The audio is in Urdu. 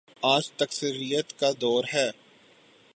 آج تکثیریت کا دور ہے۔